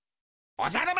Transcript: おじゃる丸！